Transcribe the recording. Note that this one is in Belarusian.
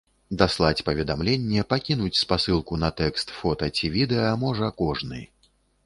Даслаць паведамленне, пакінуць спасылку на тэкст, фота ці відэа можа кожны.